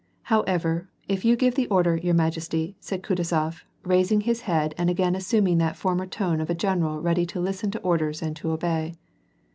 " However, if you give the order, your majesty," said Eutu zof, raising his head and again assuming that former tone of a general ready to listen to orders and to obey.